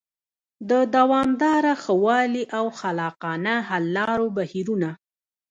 د دوامداره ښه والي او خلاقانه حل لارو بهیرونه